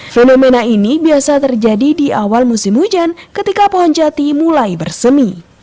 fenomena ini biasa terjadi di awal musim hujan ketika pohon jati mulai bersemi